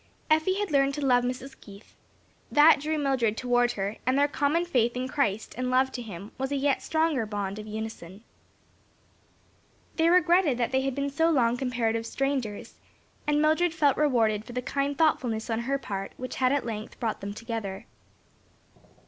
Effie had learned to love Mrs. Keith. That drew Mildred toward her; and their common faith in Christ and love to Him, was a yet stronger bond of union. They regretted that they had been so long comparative strangers, and Mildred felt well rewarded for the kind thoughtfulness on her part, which had at length brought them together.